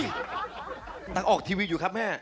นางออกทีวีอยู่ครับแม่